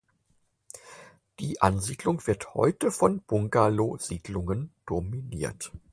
Die Ansiedlung wird heute von Bungalow-Siedlungen dominiert.